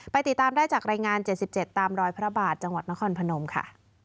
ติดตามได้จากรายงาน๗๗ตามรอยพระบาทจังหวัดนครพนมค่ะ